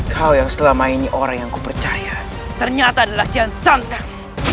kau yang selama ini orang yang kupercaya ternyata adalah kian santan